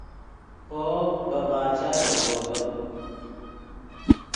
خوو ڤے باچا لوغدو ڤد